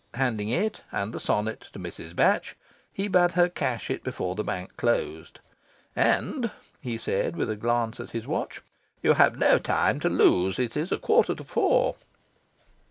Handing it, and the sonnet, to Mrs. Batch, he bade her cash it before the bank closed. "And," he said, with a glance at his watch, "you have no time to lose. It is a quarter to four."